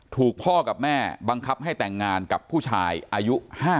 ถูกพ่อกับแม่บังคับให้แต่งงานกับผู้ชายอายุ๕๐